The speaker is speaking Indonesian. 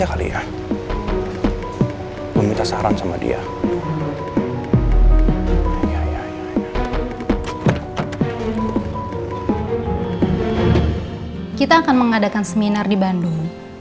kita akan mengadakan seminar di bandung